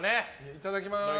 いただきます！